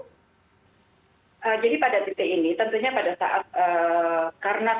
jadi saya work dengan kbynthesis agar agarakukan operasi terhadap wiltahan abad abad b empresaris